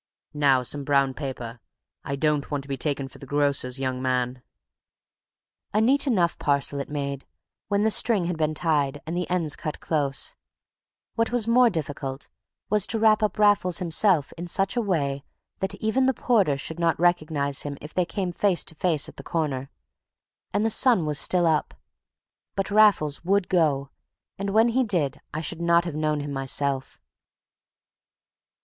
"Now some brown paper. I don't want to be taken for the grocer's young man." A neat enough parcel it made, when the string had been tied and the ends cut close; what was more difficult was to wrap up Raffles himself in such a way that even the porter should not recognize him if they came face to face at the corner. And the sun was still up. But Raffles would go, and when he did I should not have known him myself.